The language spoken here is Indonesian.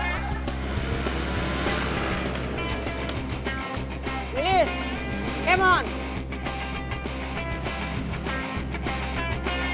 yang mana kehidupan bangsa di kota anda